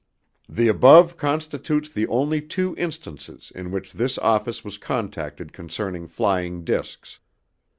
The above constitutes the only two instances in which this office was contacted concerning flying discs.